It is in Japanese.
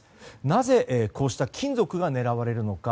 なぜ、こうした金属が狙われるのか。